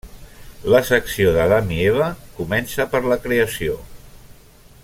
La secció d'Adam i Eva comença per la Creació.